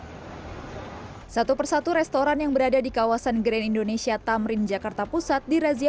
hai satu persatu restoran yang berada di kawasan grand indonesia tamrin jakarta pusat di razia